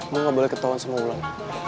gue gak boleh ketauan sama ulan